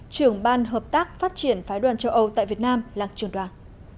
trưởng ban hợp tác phát triển phái đoàn châu âu tại việt nam làm trường đoàn